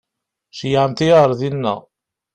Ceyyɛemt-iyi ar dina.